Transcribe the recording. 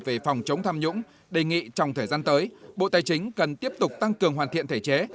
về phòng chống tham nhũng đề nghị trong thời gian tới bộ tài chính cần tiếp tục tăng cường hoàn thiện thể chế